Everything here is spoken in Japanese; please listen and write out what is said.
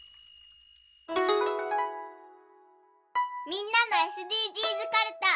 みんなのＳＤＧｓかるた。